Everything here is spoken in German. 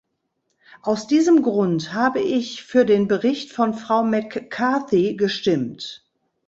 Aus diesem Grund habe ich für den Bericht von Frau McCarthy gestimmt.